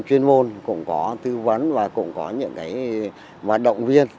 tuyên môn cũng có thư vấn và cũng có những cái mà động viên